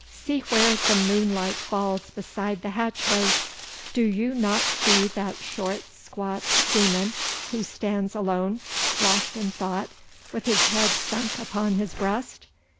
'See where the moonlight falls beside the hatchway! Do you not see that short squat seaman who stands alone, lost in thought, with his head sunk upon his breast?